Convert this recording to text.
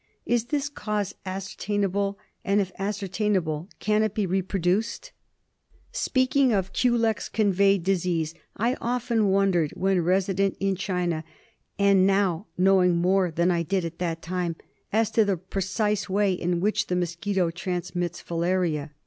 Is this cause ascertain able, and if ascertained can it be reproduced ? Speaking of culex conveyed disease, I often wondered when resident in China, and now, knowing more than I did at that time, as to the precise way in which the mosquito transmits filaria.